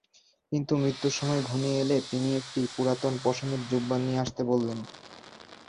কিন্তু মৃত্যুর সময় ঘনিয়ে এলে তিনি একটি পুরাতন পশমের জুব্বা নিয়ে আসতে বললেন।